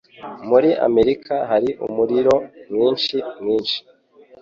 Muri Amerika hari umuriro mwinshi mwinshi.